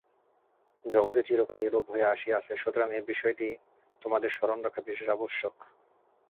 জগতে চিরকালই এরূপ হইয়া আসিয়াছে, সুতরাং এই বিষয়টি তোমাদের স্মরণ রাখা বিশেষ আবশ্যক।